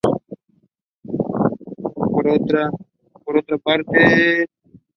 She has concentrated her research on the deelopment of heterogenous photocalaysis.